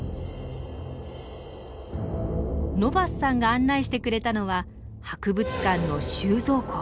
ノヴァスさんが案内してくれたのは博物館の収蔵庫。